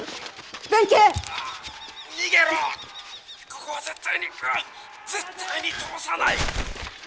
ここは絶対に絶対に通さない！」。